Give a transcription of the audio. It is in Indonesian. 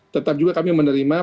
tetap juga kami menerima